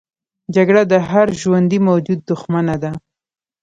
جګړه د هر ژوندي موجود دښمنه ده